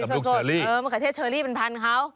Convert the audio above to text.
มะเขือเทศเชอรี่เป็นพันธุ์ครับ